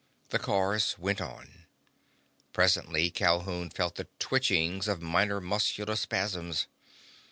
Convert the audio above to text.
The cars went on. Presently Calhoun felt the twitchings of minor muscular spasms.